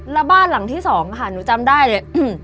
แล้วบ้านหลังที่สองค่ะหนูจำได้เลย